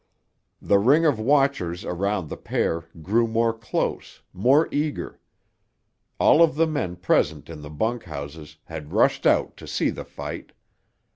The ring of watchers around the pair grew more close, more eager. All of the men present in the bunkhouses had rushed out to see the fight.